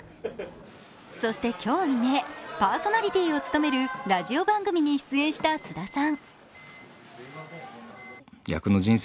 そして今日未明パーソナリティーを務めるラジオ番組に出演した菅田さん。